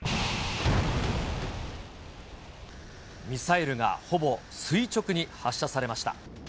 ミサイルがほぼ垂直に発射されました。